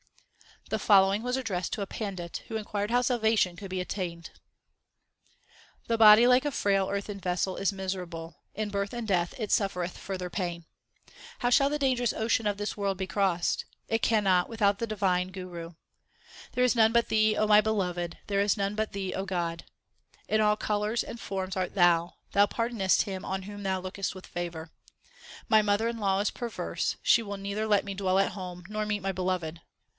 The following was addressed to a pandit who inquired how salvation could be obtained : The body like a frail earthen vessel is miserable ; in birth and death it suffer eth further pain. How shall the dangerous ocean of this world be crossed ? It cannot without the divine Guru. There is none but Thee, O my Beloved ; there is none but Thee, O God. In all colours and forms art Thou ; Thou pardonest him on whom Thou lookest with favour. My mother in law 3 is perverse ; she will neither let me dwell at home, nor meet my Beloved.